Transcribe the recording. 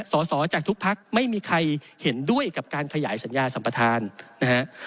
สอสอจากทุกพักไม่มีใครเห็นด้วยกับการขยายสัญญาสัมปทานนะฮะ